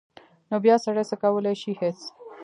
نو بیا سړی څه کولی شي هېڅ.